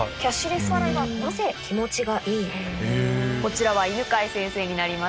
こちらは犬飼先生になります。